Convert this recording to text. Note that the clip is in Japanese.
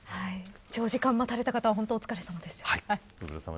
長時間待たれた方はお疲れさまです。